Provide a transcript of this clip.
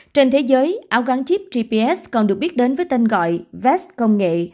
trên thế giới áo gắn chip gps còn được biết đến với tên gọi vest công nghệ